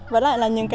với lại là những cái